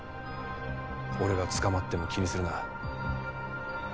俺が捕まっても気にするな。